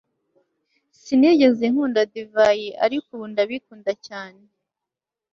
Sinigeze nkunda divayi ariko ubu ndabikunda cyane